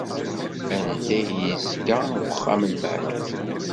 Anda i d-yezga uxxam n maɛṭub?